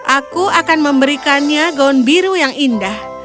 aku akan memberikannya gaun biru yang indah